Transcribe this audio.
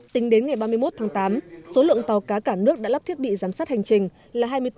tính đến ngày ba mươi một tám số lượng tàu cá cả nước đã lắp thiết bị giám sát hành trình là hai mươi bốn tám trăm năm mươi một